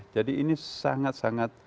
jadi ini sangat sangat